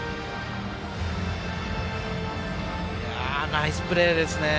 ナイスプレーですね！